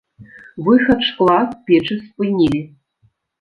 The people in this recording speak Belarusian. Выхад шкла з печы спынілі.